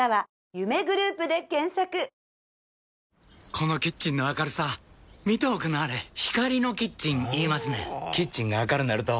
このキッチンの明るさ見ておくんなはれ光のキッチン言いますねんほぉキッチンが明るなると・・・